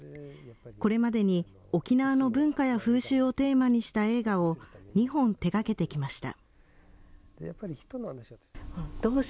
これまでに沖縄の文化や風習をテーマにした映画を２本手がけてきました。